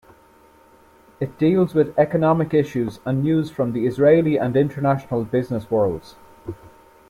It deals with economic issues and news from the Israeli and international business worlds.